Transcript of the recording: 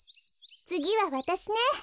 つぎはわたしね。